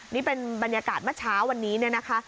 นี่เป็นบรรยากาศเมื่อเช้าวันนี้เนี่ยนะคะ